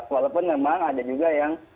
walaupun memang ada juga yang